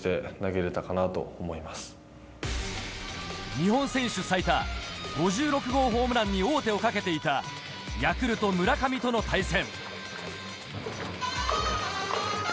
日本選手最多５６号ホームランに王手をかけていたヤクルト・村上との対戦。